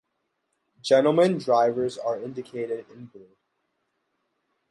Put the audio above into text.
Gentleman Drivers are indicated in blue.